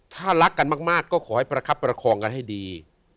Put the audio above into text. ถ้ารักกันมากก็ขอให้ประคับประคองกันให้ดี